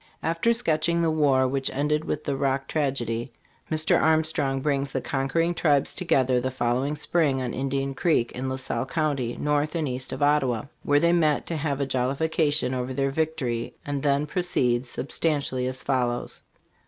After sketching the war which ended with the Rock tragedy, Mr. Armstrong brings the conquering tribes together the following spring on Indian Creek, in La Salle county, north and east of Ottawa, where they met to have a jollification over their victory, and then proceeds sub stantially as follows : "On.